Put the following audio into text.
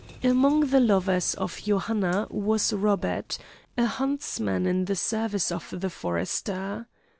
Among the lovers of Johanna was Robert, a huntsman in the service of the forester.